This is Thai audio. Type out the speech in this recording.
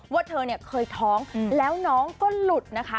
ว่าเธอเนี่ยเคยท้องแล้วน้องก็หลุดนะคะ